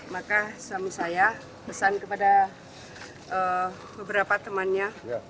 maka suami saya pesan kepada beberapa temannya